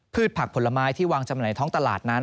ผักผลไม้ที่วางจำหน่ายท้องตลาดนั้น